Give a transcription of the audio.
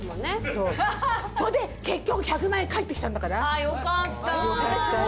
そうそれで結局１００万円返ってきたんだからあっよかったよかったよ